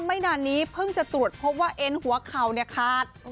ไม่นานนี้เพิ่งจะตรวจพบว่าเอ็นหัวเข่าเนี่ยขาด